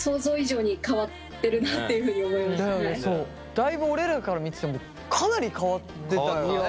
だいぶ俺らから見ててもかなり変わってたよね。